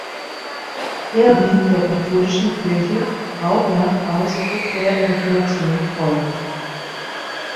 Er blieb der katholischen Kirche auch nach Ausbruch der Reformation treu.